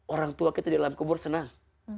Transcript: orang tua kita di dalam kubur senang